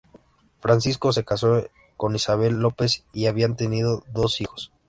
Francisco se casó con Isabel López y habían tenido dos hijos.